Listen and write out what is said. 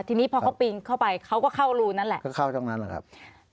ทีนี้พอเขาปีนเข้าไปเขาก็เข้ารูนั่นแหละก็เข้าตรงนั้นแหละครับ